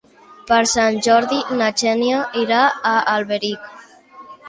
Per Sant Jordi na Xènia irà a Alberic.